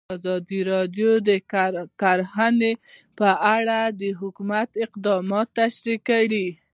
ازادي راډیو د کرهنه په اړه د حکومت اقدامات تشریح کړي.